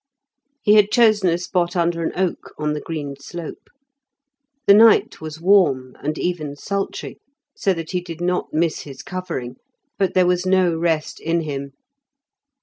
He had chosen a spot under an oak on the green slope. The night was warm, and even sultry, so that he did not miss his covering, but there was no rest in him.